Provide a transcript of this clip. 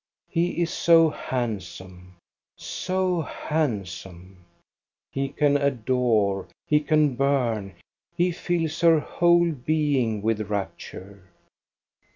He is so handsome, so handsome ! He can adore, he can burn, he fills her whole being with rapture.